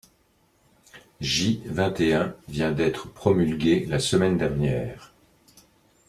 Jvingt et un vient d’être promulguée la semaine dernière.